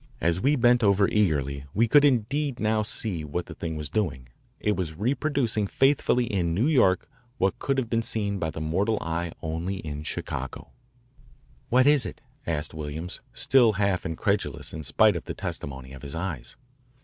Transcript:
As we bent over eagerly we could indeed now see what the thing was doing. It was reproducing faithfully in New York what could be seen by the mortal eye only in Chicago. "What is it?" asked Williams, still half incredulous in spite of the testimony of his eyes.